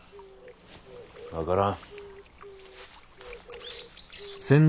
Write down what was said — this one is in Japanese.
分からん。